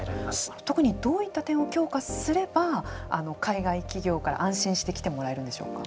特にどういった点を強化すれば海外企業から安心して来てもらえるんでしょうか。